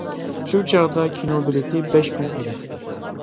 شۇ چاغدا كىنو بېلىتى بەش پۇڭ ئىدى.